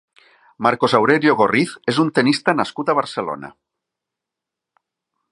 Marcos Aurelio Gorriz és un tennista nascut a Barcelona.